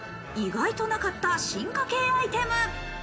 意外となかった進化系アイテム。